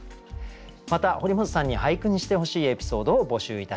また堀本さんに俳句にしてほしいエピソードを募集いたします。